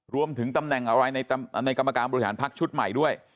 รวมถึงตำแหน่งอะไรในกรรมการบริหารพักชุดใหม่ด้วย